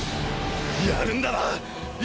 やるんだな⁉今！